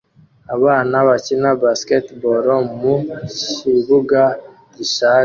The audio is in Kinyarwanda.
Abana bakina basketball mu kibuga gishaje